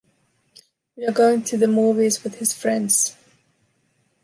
We're going to the movies with his friends.